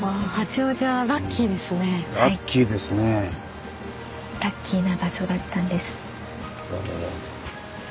ラッキーな場所だったんです。